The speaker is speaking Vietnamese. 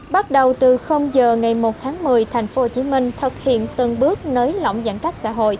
bắt đầu từ giờ ngày một tháng một mươi tp hcm thực hiện từng bước nới lỏng giãn cách xã hội